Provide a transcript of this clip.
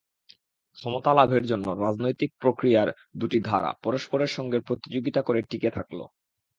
ক্ষমতা লাভের জন্য রাজনৈতিক প্রক্রিয়ার দুটি ধারা পরস্পরের সঙ্গে প্রতিযোগিতা করে টিকে থাকল।